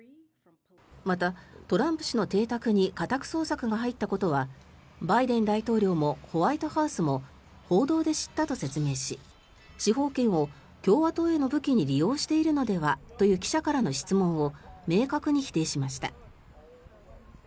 また、トランプ氏の邸宅に家宅捜索が入ったことはバイデン大統領もホワイトハウスも報道で知ったと説明し司法権を共和党への武器に利用しているのではという記者からの質問を明確に否定しました。